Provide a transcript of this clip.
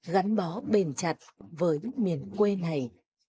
gắn bó bền chặt với miền quê này